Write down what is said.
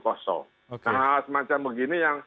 kosong nah semacam begini